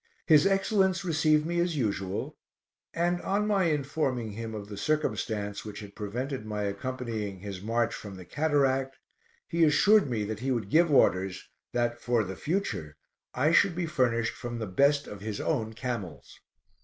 His Excellence received me as usual, and on my informing him of the circumstance which had prevented my accompanying his march from the cataract, he assured me that he would give orders, that, for the future, I should be furnished from the best of his own camels.